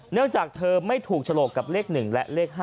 เนื่องจากเธอไม่ถูกฉลกกับเลข๑และเลข๕